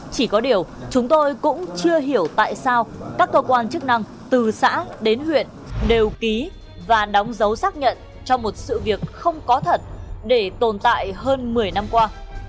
chỉ có điều chúng tôi cũng chưa hiểu tại sao các cơ quan chức năng từ xã đến huyện đều ký và đóng dấu xác nhận cho một sự việc không có thật để tồn tại hơn một mươi năm qua